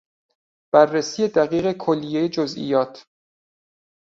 بررسی دقیق کلیهی جزئیات